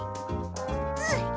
うん！